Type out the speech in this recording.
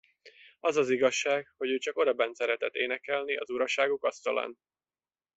Az az igazság, hogy ő csak odabenn szeretett énekelni az uraságok asztalán.